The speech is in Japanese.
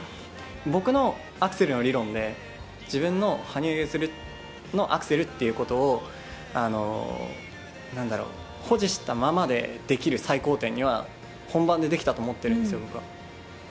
僕のアクセルの理論で、自分の、羽生結弦のアクセルっていうことを、なんだろう、保持したままでできる最高点には、本番でできたと思ってるんですよ、僕は。